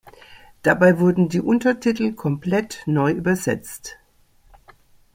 Dabei wurden die Untertitel komplett neu übersetzt.